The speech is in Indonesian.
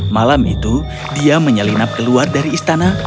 malam itu dia menyelinap keluar dari istana